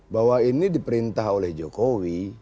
bahwa ini diperintah oleh jokowi